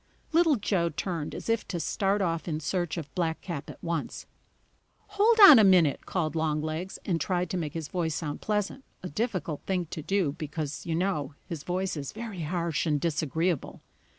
Little Joe turned as if to start off in search of Blackcap at once. "Hold on a minute!" called Longlegs, and tried to make his voice sound pleasant, a difficult thing to do, because, you know, his voice is very harsh and disagreeable.